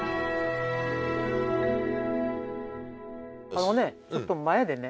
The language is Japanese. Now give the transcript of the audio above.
あのねちょっと前でね